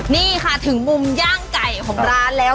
นี่ค่ะถึงมุมย่างไก่ของร้านแล้ว